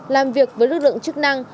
làm việc với lực lượng chức năng